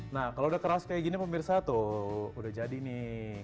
nah kalau udah keras kayak gini pemirsa tuh udah jadi nih